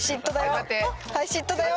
はいシットだよ。